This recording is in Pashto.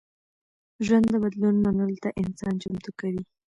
ژوند د بدلون منلو ته انسان چمتو کوي.